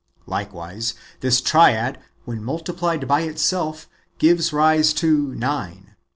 Likewise this Triad, when multiplied by itself, gives rise to nine.